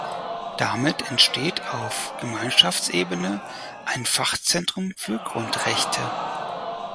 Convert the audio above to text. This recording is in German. Damit entsteht auf Gemeinschaftsebene ein Fachzentrum für Grundrechte.